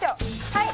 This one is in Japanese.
はい！